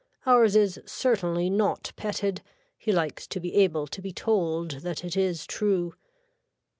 Ours is certainly not petted. He likes to be able to be told that it is true.